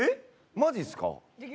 マジっすか？